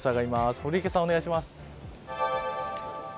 堀池さん、お願いします。